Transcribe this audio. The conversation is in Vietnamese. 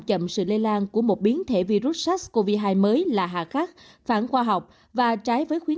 chậm sự lây lan của một biến thể virus sars cov hai mới là hạ khắc phản khoa học và trái với khuyến